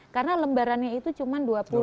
karena lembarannya itu cuma dua puluh